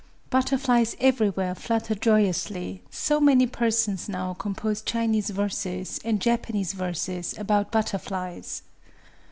Butterflies everywhere flutter joyously: so many persons now compose Chinese verses and Japanese verses about butterflies.